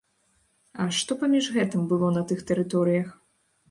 А што паміж гэтым было на тых тэрыторыях?